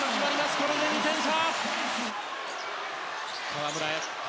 これで２点差。